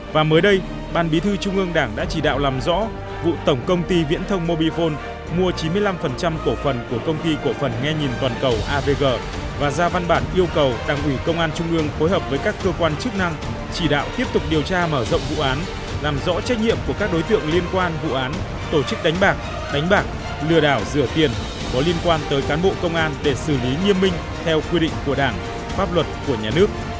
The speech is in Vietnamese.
và mới đây ban bí thư trung ương đảng đã chỉ đạo làm rõ vụ tổng công ty viễn thông mobifone mua chín mươi năm cổ phần của công ty cổ phần nghe nhìn toàn cầu avg và ra văn bản yêu cầu đảng ủy công an trung ương phối hợp với các cơ quan chức năng chỉ đạo tiếp tục điều tra mở rộng vụ án làm rõ trách nhiệm của các đối tượng liên quan vụ án tổ chức đánh bạc đánh bạc lừa đảo rửa tiền có liên quan tới cán bộ công an để xử lý nhiên minh theo quy định của đảng pháp luật của nhà nước